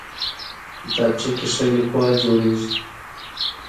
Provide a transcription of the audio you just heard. کتابچه کې ښه لیکوال جوړېږي